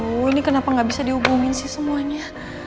oh ini kenapa gak bisa dihubungin sih semuanya